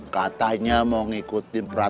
katanya mau ngikutin perang